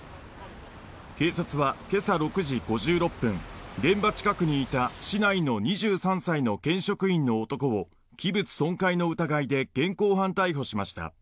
警察は今朝６時５６分現場近くにいた市内の２３歳の県職員の男を器物損壊の疑いで現行犯逮捕しました。